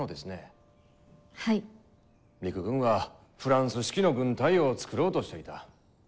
陸軍はフランス式の軍隊を作ろうとしていた。